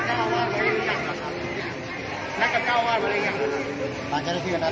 สวัสดีครับพี่เบนสวัสดีครับ